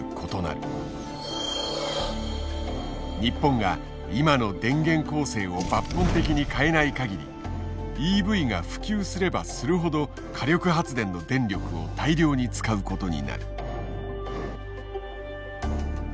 日本が今の電源構成を抜本的に変えないかぎりＥＶが普及すればするほど火力発電の電力を大量に使うことになる。